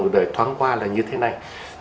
đời thoáng qua là như thế này